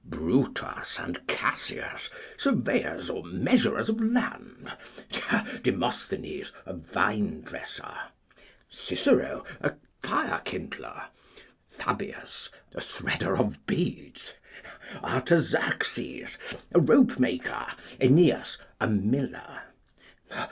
Brutus and Cassius, surveyors or measurers of land. Demosthenes, a vine dresser. Cicero, a fire kindler. Fabius, a threader of beads. Artaxerxes, a rope maker. Aeneas, a miller.